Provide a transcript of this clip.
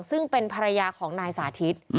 ซึ่งเป็นภรรยาของนายสาธิต